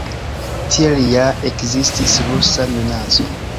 Tiel ja ekzistis rusa minaco.